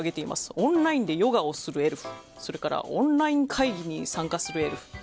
オンラインでヨガをするエルフオンライン会議に参加するエルフ。